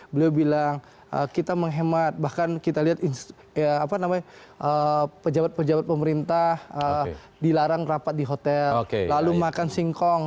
beliau bilang kita menghemat bahkan kita lihat pejabat pejabat pemerintah dilarang rapat di hotel lalu makan singkong